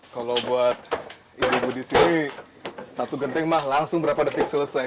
kalau buat ibu ibu di sini satu genteng mah langsung berapa detik selesai